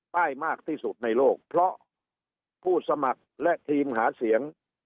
มากที่สุดในโลกเพราะผู้สมัครและทีมหาเสียง